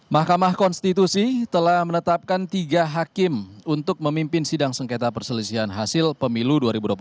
mahkamah konstitusi telah menetapkan tiga hakim untuk memimpin sidang sengketa perselisihan hasil pemilu dua ribu dua puluh empat